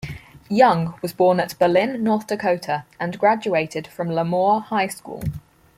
Young was born at Berlin, North Dakota, and graduated from LaMoure High School.